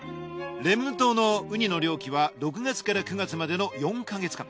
礼文島のウニの漁期は６月から９月までの４ヶ月間。